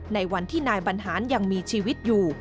ในวันที่นายบรรหารยังมีชีวิตอยู่